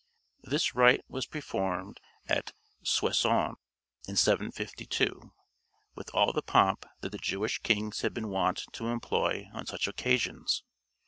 This rite was performed at Soissons, in 752, with all the pomp that the Jewish kings had been wont to employ on such occasions.